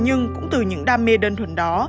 nhưng cũng từ những đam mê đơn thuần đó